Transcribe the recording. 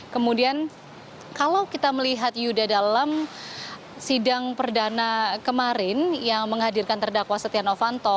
kemudian kalau kita melihat yuda dalam sidang perdana kemarin yang menghadirkan terdakwa setia novanto